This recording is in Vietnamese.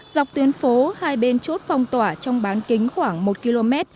dọc tuyến phố hai bên chốt phong tỏa trong bán kính khoảng một km